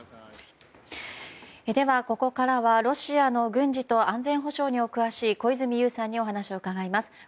ではここからはロシアの軍事と安全保障にお詳しい小泉悠さんにお話を伺います。